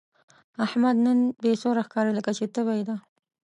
احمد نن بې سوره ښکاري، لکه چې تبه یې ده.